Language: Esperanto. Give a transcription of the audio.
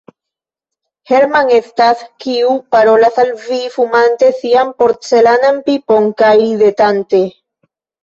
Hermann estas, kiu parolas al vi fumante sian porcelanan pipon kaj ridetante.